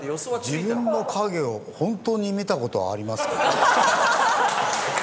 自分の影を本当に見た事はありますか？